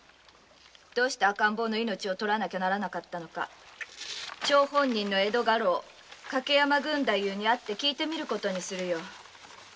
どうして赤ん坊の命を取らなきゃならなかったのか張本人の江戸家老・掛山に会って訊いてみる事にするよ。